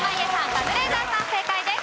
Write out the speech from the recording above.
カズレーザーさん正解です。